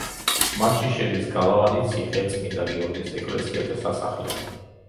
მასში შედის: გალავანი, ციხე, წმინდა გიორგის ეკლესია და სასახლე.